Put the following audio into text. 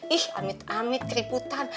ih amit amit keriputan